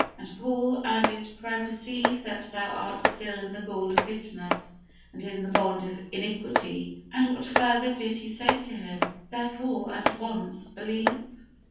And Paul added, "For I perceive that thou art still in the gall of bitterness, and in the bond of iniquity." And what further did he say to him? "Therefore, at once believe"?